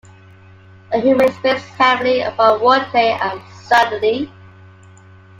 The humor is based heavily upon wordplay and absurdity.